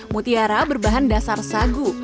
mutiara berbahan dasar sagu